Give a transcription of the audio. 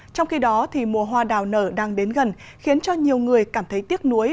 trong khi đó mùa hoa đào nở đang đến gần khiến cho nhiều người cảm thấy tiếc nuối